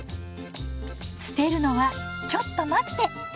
捨てるのはちょっと待って！